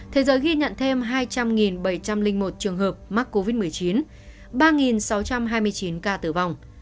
thế giới ghi nhận thêm hai trăm linh bảy trăm linh một trường hợp mắc covid một mươi chín ba sáu trăm hai mươi chín ca tử vong